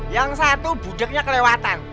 yang satu bujaknya kelewatan